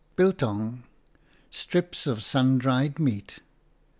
Biltong, strips of sun dried meat.